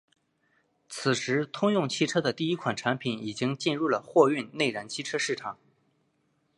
此时通用汽车的第一款产品已经进入了货运内燃机车市场。